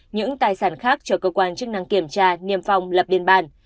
những tài sản khác cho cơ quan chức năng kiểm tra niềm phòng lập biên bàn